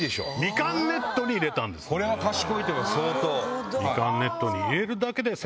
これは賢いと思います相当。